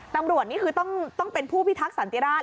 ตำรวจนี้คือต้องเป็นผู้พิทักษ์สันติราช